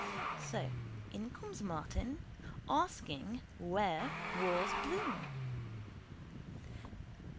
So in comes Martin asking where was Bloom.